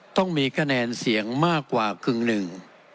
ต้องมีคะแนนเสียงมากกว่ากึ่งหนึ่ง